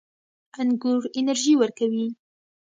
انګور انرژي ورکوي